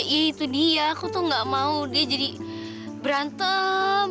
ya itu dia aku tuh gak mau dia jadi berantem